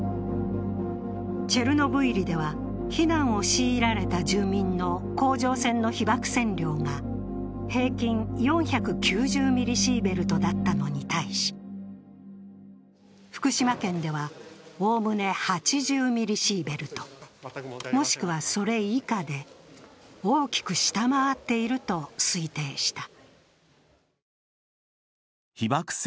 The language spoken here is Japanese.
チェルノブイリでは避難を強いられた住民の甲状腺の被ばく線量が平均４９０ミリシーベルトだったのに対し、福島県では、おおむね８０ミリシーベルト、もしくはそれ以下で大きく下回っていると推定した。